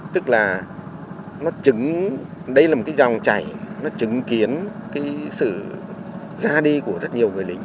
tức là nó đây là một cái dòng chảy nó chứng kiến cái sự ra đi của rất nhiều người lính